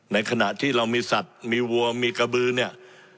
ในขณะที่เรามีสัตว์มีวัวมีกระบือเนี่ย